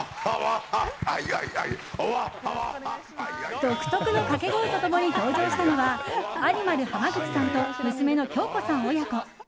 独特の掛け声と共に登場したのはアニマル浜口さんと娘の京子さん親子。